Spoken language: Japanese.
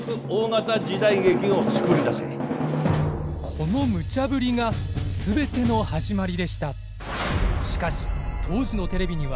このムチャぶりが全ての始まりでした。